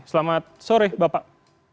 selamat sore bapak